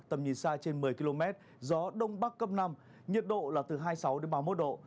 tầm nhìn xa trên một mươi km gió đông bắc cấp năm nhiệt độ là từ hai mươi sáu đến ba mươi một độ